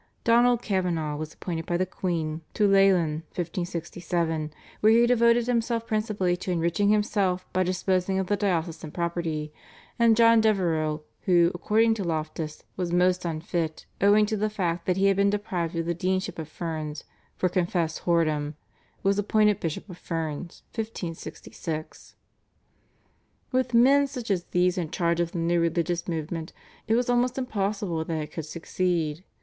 Donald Cavenagh was appointed by the queen to Leighlin (1567), where he devoted himself principally to enriching himself by disposing of the diocesan property; and John Devereux, who, according to Loftus, was most unfit owing to the fact that he had been deprived of the Deanship of Ferns "for confessed whoredom," was appointed Bishop of Ferns (1566). With men such as these in charge of the new religious movement it was almost impossible that it could succeed.